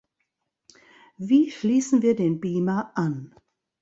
Wie schließen wir den Beamer an?